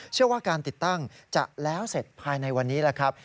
ว่าการติดตั้งจะแล้วเสร็จภายในวันนี้แหละครับ